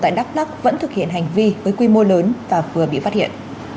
tại đắk lắc vẫn thực hiện hành vi với quy mô lớn và vừa bị phát hiện